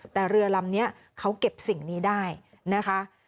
แต่เรือลำนี้เขาเก็บสิ่งนี้ได้นะคะ